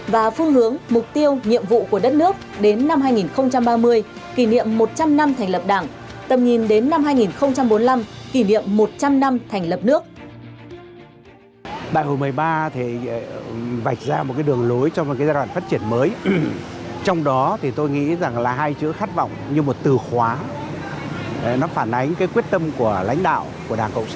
và phương hướng mục tiêu nhiệm vụ của đất nước đến năm hai nghìn ba mươi kỷ niệm một trăm linh năm thành lập đảng